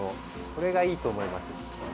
これがいいと思います。